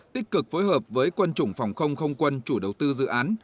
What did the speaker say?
tích cực phối hợp với quân chủng phòng không không quân chủ đầu tư dự án